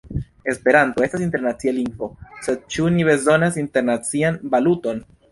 Esperanto estas internacia lingvo, sed ĉu ni bezonas internacian valuton?